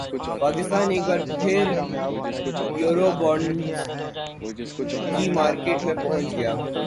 پاکستان ایک بار پھر یورو بانڈز کی مارکیٹ میں پہنچ گیا